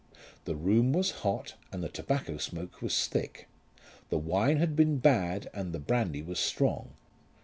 The room was hot and the tobacco smoke was thick. The wine had been bad and the brandy was strong.